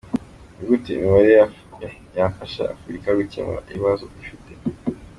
Ni gute imibare yafasha Afurika gukemura ibibazo ifite?.